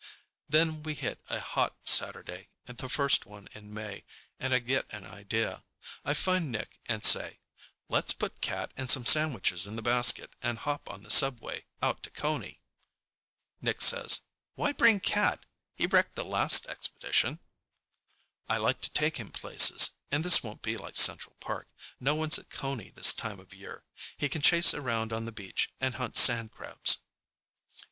Then we hit a hot Saturday, the first one in May, and I get an idea. I find Nick and say, "Let's put Cat and some sandwiches in the basket and hop the subway out to Coney." Nick says, "Why bring Cat? He wrecked the last expedition." "I like to take him places, and this won't be like Central Park. No one's at Coney this time of year. He can chase around on the beach and hunt sand crabs."